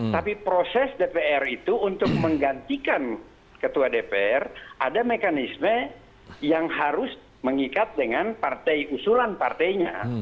tapi proses dpr itu untuk menggantikan ketua dpr ada mekanisme yang harus mengikat dengan partai usulan partainya